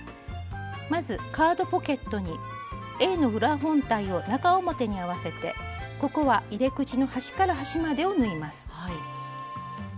まずカードポケットにＡの裏本体を中表に合わせてここは入れ口の端から端までを縫います。